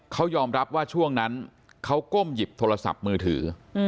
เขายอมรับว่าช่วงนั้นเขาก้มหยิบโทรศัพท์มือถือ